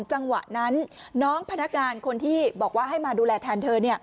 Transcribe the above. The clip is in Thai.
จังหวะนั้นน้องพนักงานคนที่บอกว่าให้มาดูแลแทนเธอ